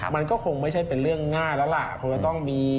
มันก็คงไม่ใช่เป็นเรื่องง่าแล้วล่ะ